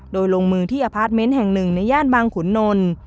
โดยลงมือที่อพาร์ทเมนต์แห่งหนึ่งในย่านบางขุนนล